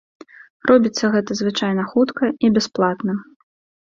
Робіцца гэта звычайна хутка і бясплатна.